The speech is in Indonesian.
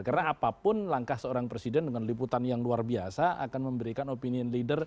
karena apapun langkah seorang presiden dengan liputan yang luar biasa akan memberikan opinion leader